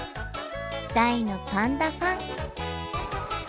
大のパンダファン。